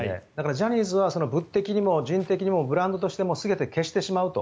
ジャニーズは物的にも人的にもブランドとしても全て消してしまうと。